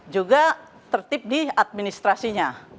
juga tertib di administrasinya